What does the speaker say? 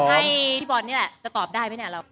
ให้พี่บอลนี่แหละจะตอบได้ไหมเนี่ย